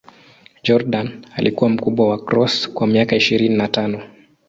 Jordan alikuwa mkubwa wa Cross kwa miaka ishirini na tano.